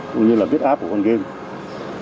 cũng như là viết app của con game